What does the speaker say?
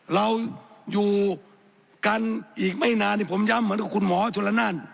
เราอยู่กันอีกไม่นานผมย้ำเหมือนกับคุณหมอชนละนาน